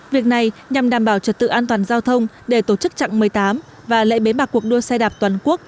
việc này nhằm đảm bảo trật tự an toàn giao thông để tổ chức chặng một mươi tám và lệ bế mạc cuộc đua xe đạp toàn quốc